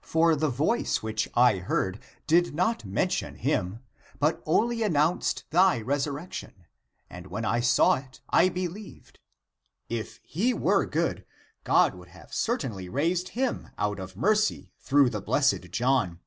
For the voice which I heard did not mention him, but only announced thy resur rection, and when I saw it, I believed. If he were good, God would have certainly raised him out of mercy through the blessed John.